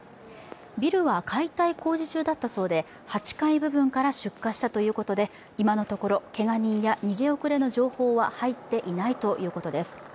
ビルは解体工事中だったということで、８階部分から出火したということで今のところけが人や逃げ遅れの情報は入っていないということです。